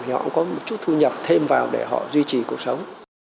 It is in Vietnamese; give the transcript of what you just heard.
thì họ cũng có một chút thu nhập thêm vào để họ duy trì cuộc sống